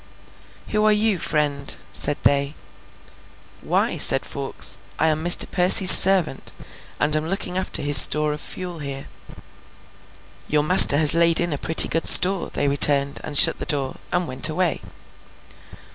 'Who are you, friend?' said they. 'Why,' said Fawkes, 'I am Mr. Percy's servant, and am looking after his store of fuel here.' 'Your master has laid in a pretty good store,' they returned, and shut the door, and went away.